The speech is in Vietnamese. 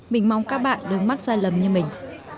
mình mong các bạn đứng mắt sai lầm như mình